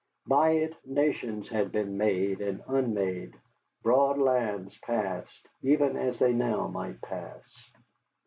By it nations had been made and unmade, broad lands passed, even as they now might pass.